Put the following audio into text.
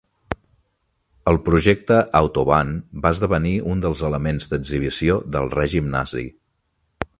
El projecte "Autobahn" va esdevenir un dels elements d'exhibició del règim Nazi.